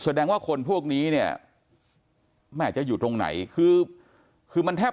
แสดงว่าคนพวกนี้เนี่ยแม่จะอยู่ตรงไหนคือคือมันแทบ